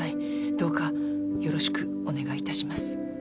どうかよろしくお願いいたします。